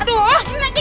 aduh ini lagi gimana